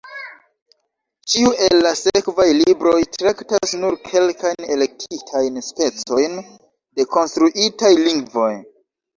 Ĉiu el la sekvaj libroj traktas nur kelkajn elektitajn specojn de konstruitaj lingvoj.